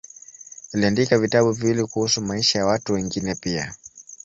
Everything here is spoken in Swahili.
Aliandika vitabu viwili kuhusu maisha ya watu wengine pia.